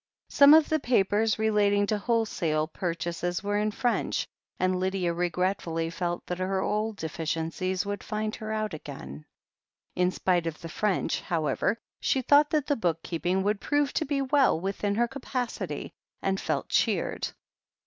Some of the papers relating to wholesale purchases were in French, and Lydia regretfully felt that her old deficiency would find her out again. In spite of the French, however, she thought that the book keeping would prove to be well within her ca pacity, and felt cheered.